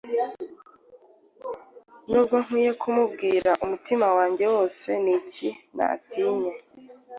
Nubwo nkwiye kumubwira umutima wanjye wose, ni iki natinya?